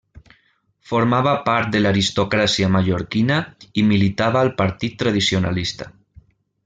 Formava part de l'aristocràcia mallorquina i militava al partit tradicionalista.